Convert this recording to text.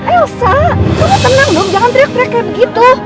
elsa kamu tenang dong jangan teriak teriak kayak begitu